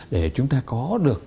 để chúng ta có được